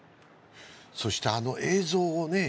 そしてあの映像をね